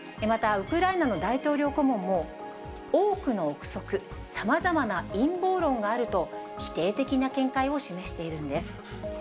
またウクライナの大統領顧問も、多くの臆測、さまざまな陰謀論があると、否定的な見解を示しているんです。